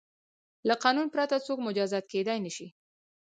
له قانون پرته څوک مجازات کیدای نه شي.